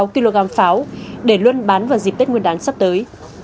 kg pháo để luân bán vào dịp tết nguyên đáng sắp tới